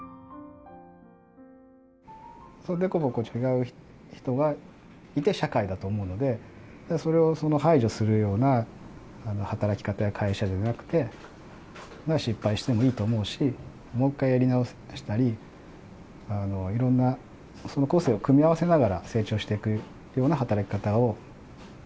凸凹違う人がいて社会だと思うのでそれを排除するような働き方や会社じゃなくて失敗してもいいと思うしもう一回やり直したりいろんな個性を組み合わせながら成長していくような働き方を。